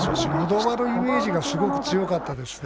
のど輪のイメージがすごく強かったですね。